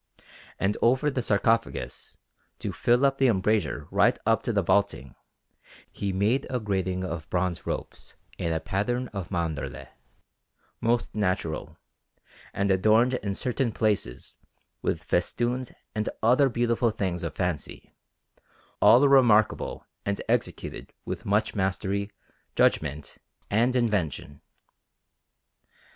And over the sarcophagus, to fill up the embrasure right up to the vaulting, he made a grating of bronze ropes in a pattern of mandorle, most natural, and adorned in certain places with festoons and other beautiful things of fancy, all remarkable and executed with much mastery, judgment, and invention.